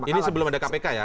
ini sebelum ada kpk ya